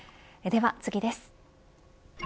では次です。